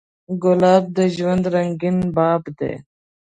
ګلاب د ژوند رنګین باب دی.